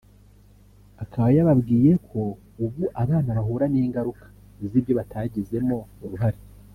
Akaba yababwiye ko ubu abana bahura n’ingaruka z’ibyo batagizemo uruhare